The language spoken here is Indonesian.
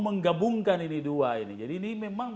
menggabungkan ini dua ini jadi ini memang